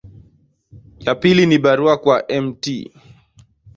Ya pili ni barua kwa Mt.